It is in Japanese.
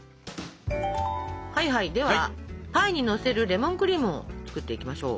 ではパイにのせるレモンクリームを作っていきましょう。